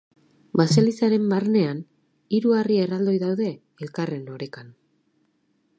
Baselizaren barnean, hiru harri erraldoi daude elkarren orekan.